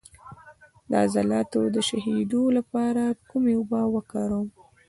د عضلاتو د شخیدو لپاره کومې اوبه وکاروم؟